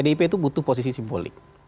pdip itu butuh posisi simbolik